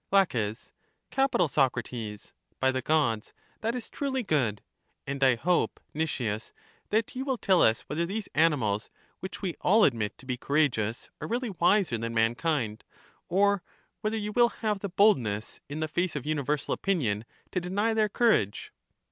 La. Capital, Socrates; by the gods, that is truly good. And I hope, Nicias, that you will tell us w^hether these animals, which we all admit to be coura geous, are really wiser than mankind; or whether you will have the boldness, in the face of universal opinion, to deny their courage.